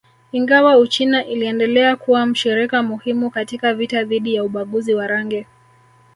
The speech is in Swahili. Ingawa Uchina iliendelea kuwa mshirika muhimu katika vita dhidi ya ubaguzi wa rangi